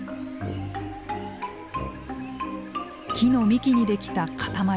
木の幹に出来た塊。